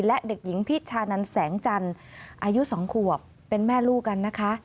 และเด็กหญิงพิชานันแสงจันทร์อายุ๒ขวบเป็นแม่ลูกกันนะคะ